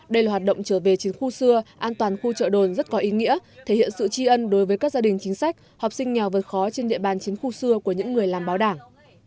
đây là hoạt động trở về chiến khu xưa an toàn khu chợ đồn rất có ý nghĩa thể hiện sự tri ân đối với các gia đình chính sách học sinh nghèo vượt khó trên địa bàn chiến khu xưa của những người làm báo đảng